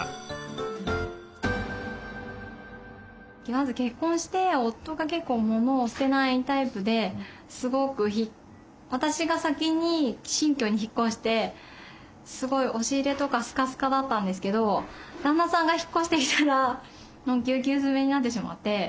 まず結婚して夫が結構モノを捨てないタイプで私が先に新居に引っ越してすごい押し入れとかスカスカだったんですけど旦那さんが引っ越してきたらもうぎゅうぎゅう詰めになってしまって。